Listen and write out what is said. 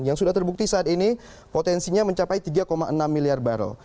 yang sudah terbukti saat ini potensinya mencapai tiga enam miliar barrel